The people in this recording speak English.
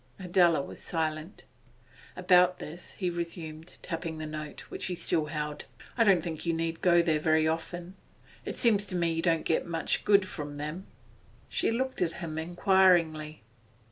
Adela was silent. 'About this,' he resumed, tapping the note which he still held. 'I don't think you need go there very often. It seems to me you don't get much good from them.' She looked at him inquiringly.